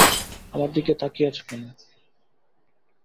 আমার দিকে তাকিয়ে আছো কেন?